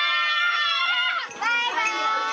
バイバイ。